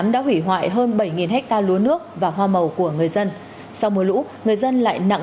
đã hủy hoại hơn bảy hectare lúa nước và hoa màu của người dân sau mưa lũ người dân lại nặng